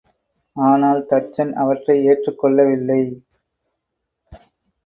ஆனால் தச்சன் அவற்றை ஏற்றுக் கொள்ளவில்லை.